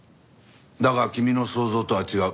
だが君の想像とは違う。